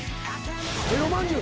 エロまんじゅう。